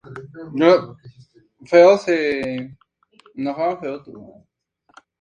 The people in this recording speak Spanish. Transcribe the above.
Pueyrredón, Av.